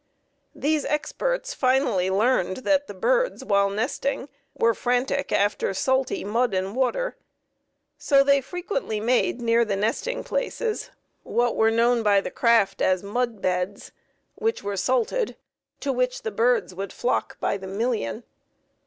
These experts finally learned that the birds while nesting were frantic after salty mud and water, so they frequently made, near the nesting places, what were known by the craft as mud beds, which were salted, to which the birds would flock by the million.